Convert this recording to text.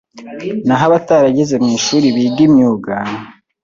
naho abatarageze mu ishuri bige imyuga